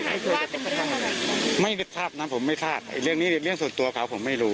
ว่าเป็นเรื่องอะไรไม่ได้ทราบนะผมไม่ทราบเรื่องนี้เรื่องส่วนตัวของผมไม่รู้